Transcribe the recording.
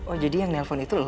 oh jadi yang nelfon itu loh